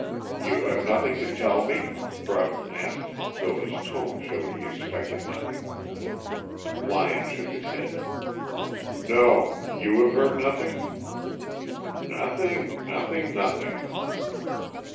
"You have nothing to tell me?" Broughton asked, though his tone showed he expected nothing. Lyon shook his head, "No. You have heard nothing?" "Nothing. Nothing. Nothing."